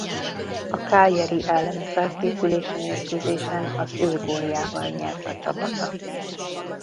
A Cagliari elleni felkészülési mérkőzésen az ő góljával nyert a csapata.